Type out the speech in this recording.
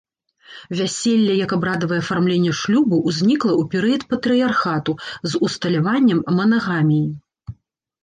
Вяселле як абрадавае афармленне шлюбу ўзнікла ў перыяд патрыярхату з усталяваннем манагаміі.